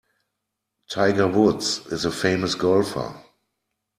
Tiger Woods is a famous golfer.